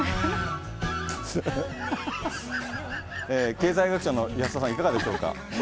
経済学者の安田さん、いかがでしょうか。